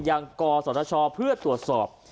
ยังกศชเพื่อตรวจสอบ